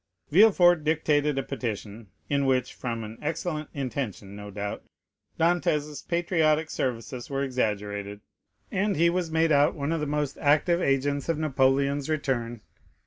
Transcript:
Villefort dictated a petition, in which, from an excellent intention, no doubt, Dantès' patriotic services were exaggerated, and he was made out one of the most active agents of Napoleon's return.